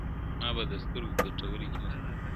ما به د سترگو کټوري کي نه ساتل گلونه~